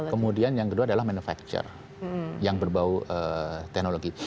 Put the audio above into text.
kemudian yang kedua adalah manufacture yang berbau teknologi